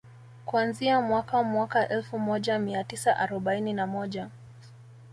kuanzia mwaka mwaka elfu moja mia tisa arobaini na moja